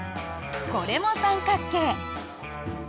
これも三角形。